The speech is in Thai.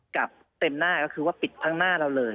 กลับเต็มหน้าก็คือว่าปิดทั้งหน้าเราเลย